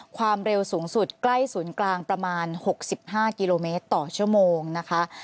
ความเร็วสูงสุดใกล้ศูนย์กลางประมาณ๖๕กิโลเมตรต่อชั่วโมงนะคะ